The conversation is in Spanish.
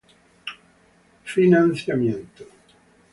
Financiamiento